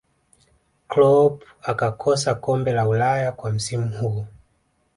kloop akakosa kombe la ulaya kwa msimu huo